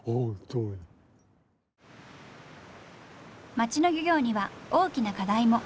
町の漁業には大きな課題も。